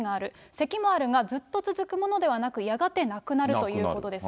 せきもあるがずっと続くものではなく、やがてなくなるということです。